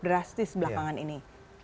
drastis belakangan ini